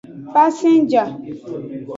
Pasingja.